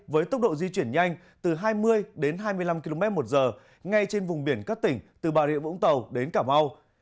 với tốc độ di chuyển nhanh từ hai mươi đến hai mươi năm km một giờ ngay trên vùng biển các tỉnh từ bà rịa vũng tàu đến cà mau